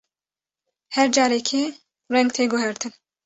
Her carekê, reng tê guhertin.